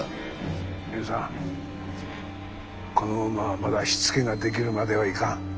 ゲンさんこの馬はまだしつけができるまではいかん。